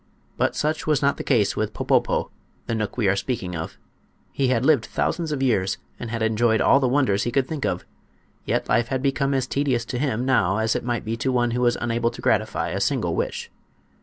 But such was not the case with Popopo, the knook we are speaking of. He had lived thousands of years, and had enjoyed all the wonders he could think of. Yet life had become as tedious to him now as it might be to one who was unable to gratify a single wish.